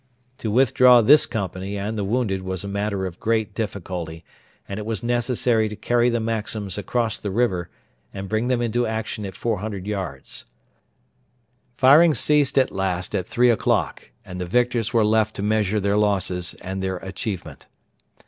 To withdraw this company and the wounded was a matter of great difficulty; and it was necessary to carry the Maxims across the river and bring them into action at 400 yards. Firing ceased at last at three o'clock, and the victors were left to measure their losses and their achievement.